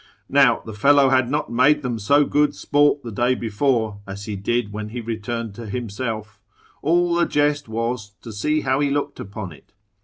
Now the fellow had not made them so good sport the day before as he did when he returned to himself; all the jest was, to see how he looked upon it.